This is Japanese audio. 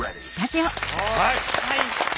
はい！